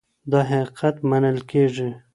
دا حقيقت منل کيږي.